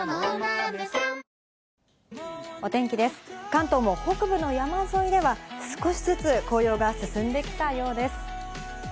関東も北部の山沿いでは少しずつ紅葉が進んできたようです。